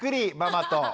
ママと。